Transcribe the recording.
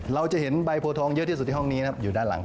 เราจะเห็นใบโพทองเยอะที่สุดที่ห้องนี้นะครับอยู่ด้านหลัง